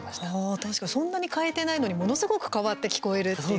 確かにそんなに変えてないのにものすごく変わって聞こえるっていう。